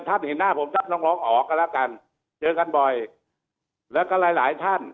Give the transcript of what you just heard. ท่านเห็นหน้าผมท่านต้องร้องอ๋อก็แล้วกันเจอกันบ่อยแล้วก็หลายหลายท่าน